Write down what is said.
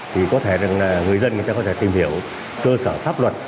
thì có thể là người dân có thể tìm hiểu cơ sở pháp luật